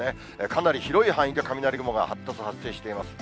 かなり広い範囲で雷雲が発達、発生しています。